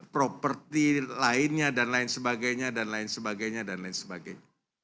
properti lainnya dan lain sebagainya dan lain sebagainya dan lain sebagainya